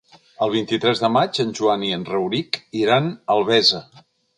El vint-i-tres de maig en Joan i en Rauric iran a Albesa.